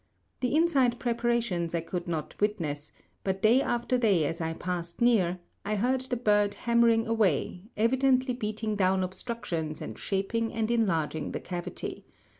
The inside preparations I could not witness, but day after day as I passed near I heard the bird hammering away, evidently beating down obstructions and shaping and enlarging the cavity.